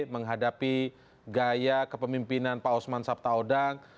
menghadapi gaya kepemimpinan pak osman sabtaodang